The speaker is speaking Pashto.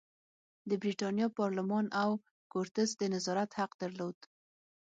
د برېتانیا پارلمان او کورتس د نظارت حق درلود.